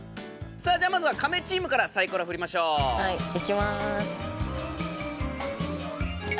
さあじゃあまずはカメチームからサイコロふりましょう！いきます！